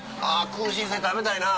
空芯菜食べたいな。